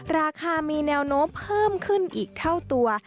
ราคามีแนวโน้มเพิ่มขึ้นอีกเท่าตัว